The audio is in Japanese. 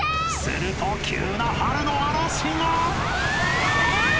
［すると急な春の嵐が］